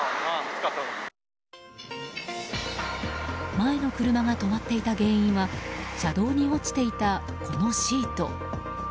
前の車が止まっていた原因は車道に落ちていた、このシート。